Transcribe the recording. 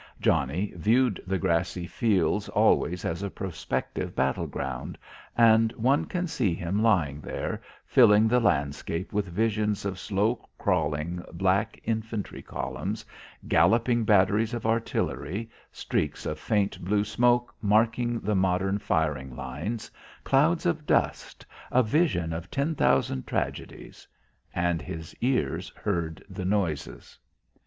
Johnnie viewed the grassy fields always as a prospective battle ground, and one can see him lying there, filling the landscape with visions of slow crawling black infantry columns, galloping batteries of artillery, streaks of faint blue smoke marking the modern firing lines, clouds of dust, a vision of ten thousand tragedies. And his ears heard the noises.